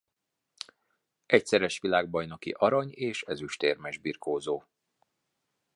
Egyszeres világbajnoki arany és ezüstérmes birkózó.